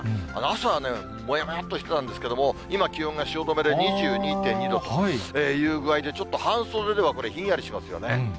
朝はもやもやっとしてたんですけども、今、気温が汐留で２２．２度という具合で、ちょっと半袖では、これ、ひんやりしますよね。